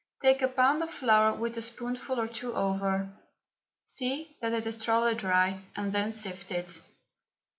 Take a pound of flour, with a spoonful or two over; see that it is thoroughly dry, and then sift it.